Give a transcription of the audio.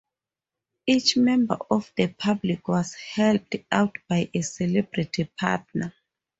Each member of the public was helped out by a "celebrity" partner.